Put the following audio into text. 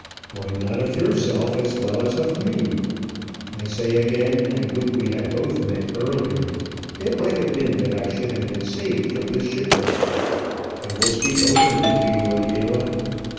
"Why not of yourself as well as of me? I say again, I would we had both met earlier. It might have been that I should have been saved from this shipwreck. I will speak openly to you, Adela.